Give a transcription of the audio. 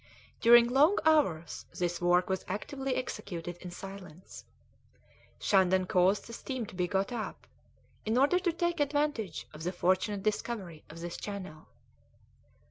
During long hours this work was actively executed in silence. Shandon caused the steam to be got up, in order to take advantage of the fortunate discovery of this channel.